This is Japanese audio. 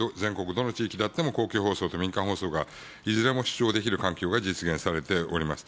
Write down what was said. どの地域であっても、公共放送と民間放送がいずれも視聴できる環境が実現されております。